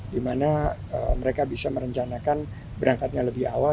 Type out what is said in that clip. dimana mereka bisa merencanakan berangkatnya lebih awal